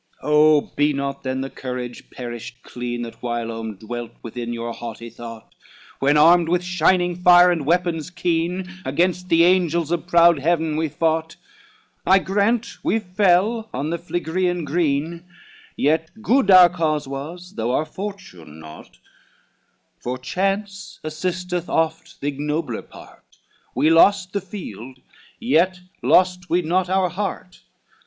XV "Oh, he not then the courage perished clean, That whilom dwelt within your haughty thought, When, armed with shining fire and weapons keen, Against the angels of proud Heaven we fought, I grant we fell on the Phlegrean green, Yet good our cause was, though our fortune naught; For chance assisteth oft the ignobler part, We lost the field, yet lost we not our heart.